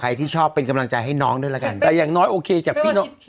ที่ชอบเป็นกำลังใจให้น้องด้วยแล้วกันแต่อย่างน้อยโอเคจากพี่น้อง